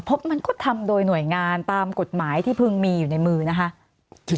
เพราะมันก็ทำโดยหน่วยงานตามกฎหมายที่พึงมีอยู่ในมือนะคะ